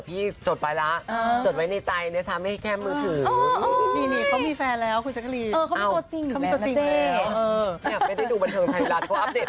เขามีแฟนแล้วคุณเสกรียน